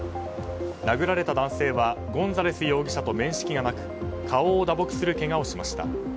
殴られた男性はゴンザレス容疑者と面識がなく顔を打撲するけがをしました。